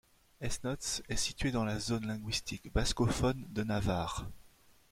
Esnotz est situé dans la zone linguistique bascophone de Navarre.